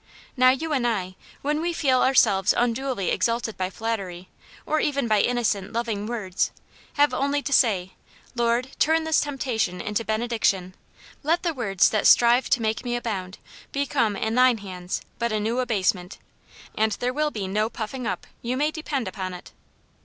Now you and I, when we feel ourselves unduly exalted by flattery, or even by innocent, loving words, have only to say, * Lord, turn this temptation into benediction ; let the words. that strive to make me abound, become, in thine hands, but a new abasement,' and there will be no * puffing up,' you may depend upon it."